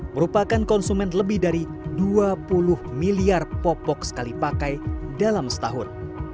merupakan konsumen lebih dari dua puluh miliar popok sekali pakai dalam setahun